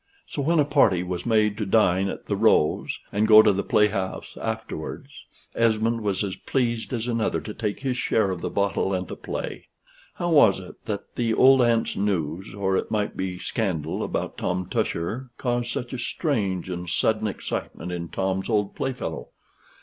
So when a party was made to dine at the "Rose," and go to the playhouse afterward, Esmond was as pleased as another to take his share of the bottle and the play. How was it that the old aunt's news, or it might be scandal, about Tom Tusher, caused such a strange and sudden excitement in Tom's old playfellow?